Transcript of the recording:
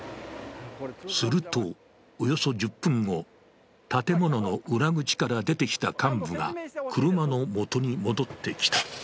すると、およそ１０分後、建物の裏口から出てきた幹部が車のもとに戻ってきた。